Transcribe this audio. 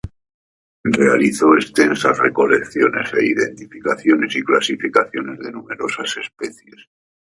Realizó extensas recolecciones e identificaciones y clasificaciones de numerosas especies.